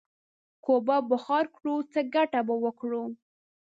که اوبه بخار کړو، څه گټه به وکړو؟